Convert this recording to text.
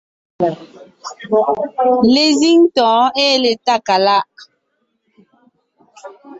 Lezíŋ tɔ̌ɔn ée le Tákaláʼ;